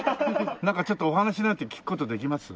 なんかちょっとお話なんて聞く事できます？